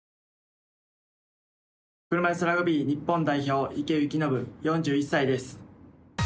車いすラグビー日本代表池透暢、４１歳です。